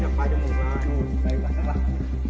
สวัสดีทุกคน